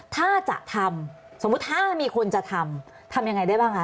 ถ้าจะทำสมมุติถ้ามีคนจะทำทำยังไงได้บ้างคะ